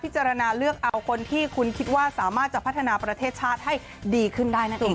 จารณาเลือกเอาคนที่คุณคิดว่าสามารถจะพัฒนาประเทศชาติให้ดีขึ้นได้นั่นเอง